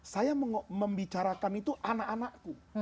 saya membicarakan itu anak anakku